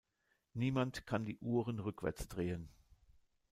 Niemand kann die Uhren rückwärts drehen.